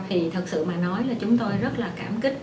thì thật sự mà nói là chúng tôi rất là cảm kích